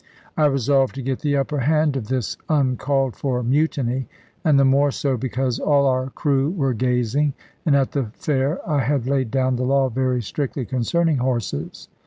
I resolved to get the upper hand of this uncalled for mutiny; and the more so because all our crew were gazing, and at the fair I had laid down the law very strictly concerning horses.